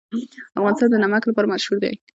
افغانستان د نمک لپاره مشهور دی.